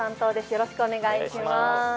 よろしくお願いします。